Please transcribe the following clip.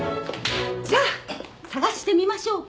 じゃあ捜してみましょうか？